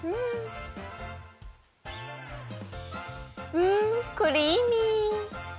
うんクリーミー！